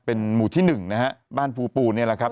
เป็นหมู่ที่หนึ่งนะฮะบ้านภูปูนี่แหละครับ